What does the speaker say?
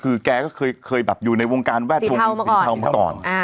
คือแกก็เคยแบบอยู่ในวงการแวดวงสีเทามาก่อน